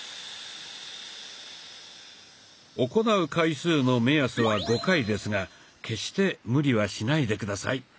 行う回数の目安は５回ですが決して無理はしないで下さい。